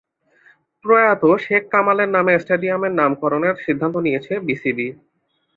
প্রয়াত শেখ কামালের নামে স্টেডিয়ামের নামকরণের সিদ্ধান্ত নিয়েছে বিসিবি।